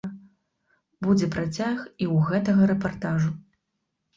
Будзе працяг і ў гэтага рэпартажу.